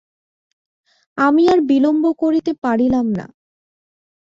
আমি আর বিলম্ব করিতে পারিলাম না।